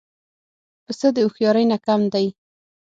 پسه د هوښیارۍ نه کم دی.